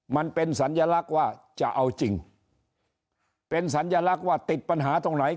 มันเป็นสัญลักษณ์ว่าจะเอาจริงเป็นสัญลักษณ์ว่าติดปัญหาตรงไหน